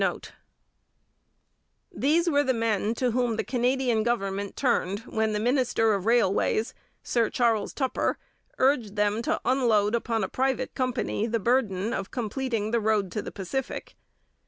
These were the men to whom the Canadian government turned when the minister of Railways, Sir Charles Tupper, urged them to unload upon a private company the burden of completing the road to the Pacific.